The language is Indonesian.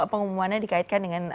pengumumannya dikaitkan dengan